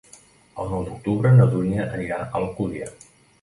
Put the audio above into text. El nou d'octubre na Dúnia anirà a l'Alcúdia.